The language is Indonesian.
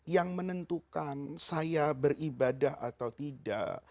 yang menentukan saya beribadah atau tidak